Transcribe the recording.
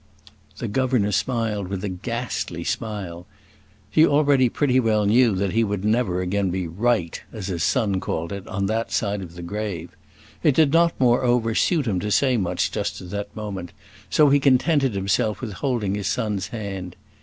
The "governor" smiled with a ghastly smile. He already pretty well knew that he would never again be "right," as his son called it, on that side of the grave. It did not, moreover, suit him to say much just at that moment, so he contented himself with holding his son's hand.